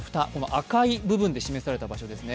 赤い部分で示された場所ですね。